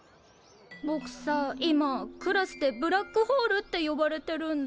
ぼくさ今クラスでブラックホールって呼ばれてるんだ。